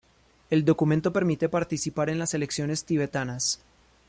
El documento permite participar en las elecciones tibetanas.